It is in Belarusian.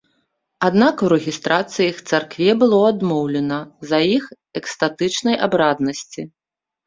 Аднак у рэгістрацыі іх царкве было адмоўлена з-за іх экстатычнай абраднасці.